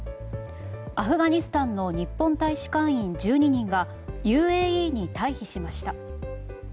アフガニスタンの日本大使館員１２人がＵＡＥに退避しました。